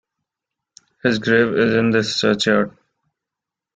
His grave is in this churchyard.